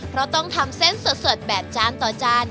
เพราะต้องทำเส้นสดแบบจานต่อจาน